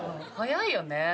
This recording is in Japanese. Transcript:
早いよね。